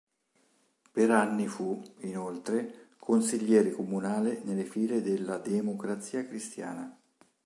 Per anni fu inoltre consigliere comunale nelle file della Democrazia Cristiana.